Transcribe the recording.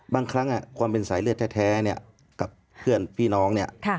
บางครั้งความเป็นสายเลือดแท้เนี่ยกับเพื่อนพี่น้องเนี่ย